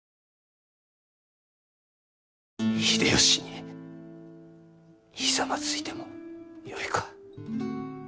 秀吉にひざまずいてもよいか？